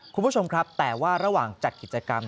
คุณผู้ชมครับแต่ว่าระหว่างจัดกิจกรรม